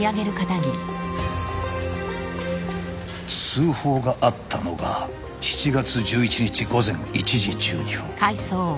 通報があったのが７月１１日午前１時１２分。